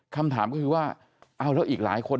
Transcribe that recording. คำถามก็คือว่าเอาแล้วอีกหลายคน